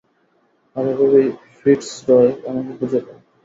আর এভাবেই ফিটজরয় আমাকে খুঁজে পায়।